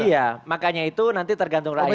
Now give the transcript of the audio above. iya makanya itu nanti tergantung rakyatnya